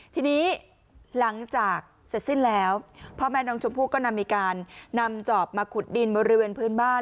ทีนี้หลังจากเสร็จสิ้นแล้วพ่อแม่น้องชมพู่ก็นำมีการนำจอบมาขุดดินบริเวณพื้นบ้าน